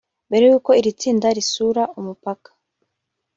Mbere y’uko iri tsinda risura umupaka